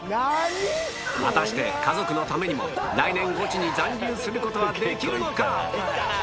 果たして家族のためにも来年ゴチに残留することはできるのか？